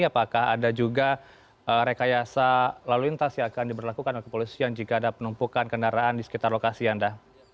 apakah ada juga rekayasa lalu lintas yang akan diberlakukan oleh kepolisian jika ada penumpukan kendaraan di sekitar lokasi anda